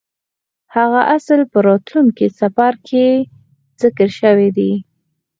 هغه اصل په راتلونکي څپرکي کې ذکر شوی دی.